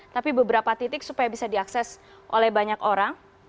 tapi beberapa titik supaya bisa diakses oleh banyak orang